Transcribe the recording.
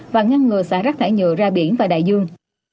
và ngăn ngừa xả rác thải nhựa ra biển và đại dương